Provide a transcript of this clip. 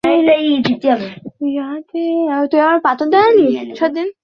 উপরন্তু জাদু বর্ণনা করে একটি কাগজ এবং অনুশীলন বা অনুষ্ঠান জন্য নির্দেশাবলী ছিল।